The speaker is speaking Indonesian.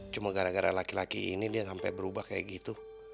cuma gara gara laki laki ini dia sampai berubah kayak gitu